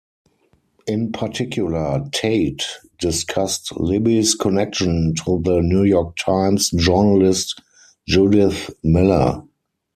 In particular, Tate discussed Libby's connection to the "New York Times" journalist Judith Miller.